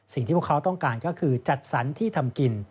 สิ่งที่พวกเขาต้องการก็คือจัดสรรที่ทำกิน